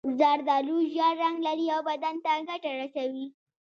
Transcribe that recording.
زردالو ژېړ رنګ لري او بدن ته ګټه رسوي.